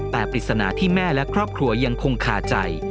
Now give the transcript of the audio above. แต่ปริศนาที่แม่และครอบครัวยังคงคาใจ